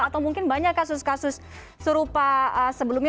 atau mungkin banyak kasus kasus serupa sebelumnya